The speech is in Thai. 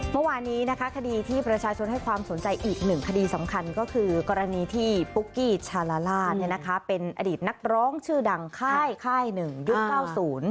เมื่อวานนี้นะคะคดีที่ประชาชนให้ความสนใจอีกหนึ่งคดีสำคัญก็คือกรณีที่ปุ๊กกี้ชาลาล่าเนี่ยนะคะเป็นอดีตนักร้องชื่อดังค่ายค่ายหนึ่งยุคเก้าศูนย์